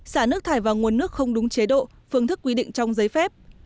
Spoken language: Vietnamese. xả nước thải vào nguồn nước không đúng chế độ phương thức quy định trong giấy phép